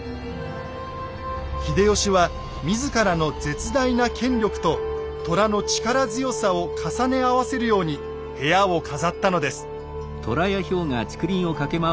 秀吉は自らの絶大な権力と虎の力強さを重ね合わせるように部屋を飾ったのです。